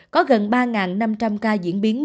có gần ba năm trăm linh ca diễn biến